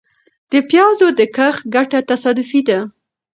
د پيازو د کښت ګټه تصادفي ده .